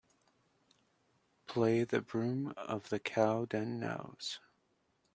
Play the Broom Of The Cowdenknowes.